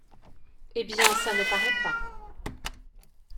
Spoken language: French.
Eh bien, ça ne paraît pas.